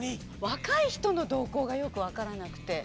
若い人の動向がよくわからなくて。